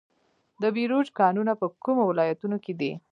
د بیروج کانونه په کومو ولایتونو کې دي؟